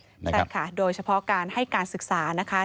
ใช่ค่ะโดยเฉพาะการให้การศึกษานะคะ